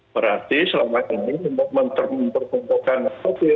berarti selama ini menuntutkan mautnya